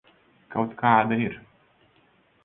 Kaut kāda ir.